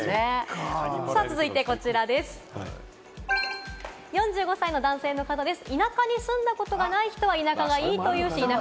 続いてこちらです、４５歳の男性の方です。